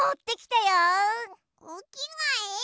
おきがえ？